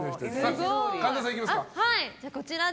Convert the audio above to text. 神田さん、いきますか。